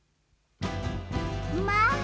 まあ。